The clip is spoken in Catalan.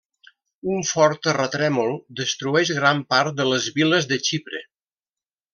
Un fort terratrèmol destrueix gran part de les viles de Xipre.